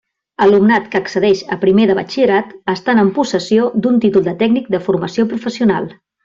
Alumnat que accedeix a primer de Batxillerat estant en possessió d'un títol de Tècnic de Formació Professional.